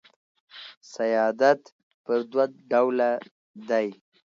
سیادت پر دوه ډوله دئ.